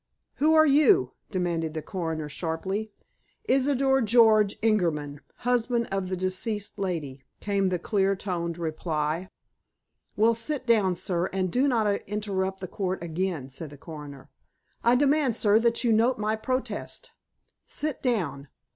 "Who are you?" demanded the coroner sharply. "Isidor George Ingerman, husband of the deceased lady," came the clear toned reply. "Well, sit down, sir, and do not interrupt the court again," said the coroner. "I demand, sir, that you note my protest." "Sit down!